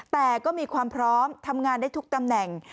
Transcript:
แต่ก็มีความพร้อมทำงานได้ทุกตำแหน่ง